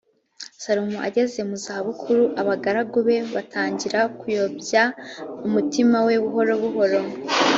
salomo ageze mu za bukuru abagaragu be batangira kuyobya umutima we buhoro buhoro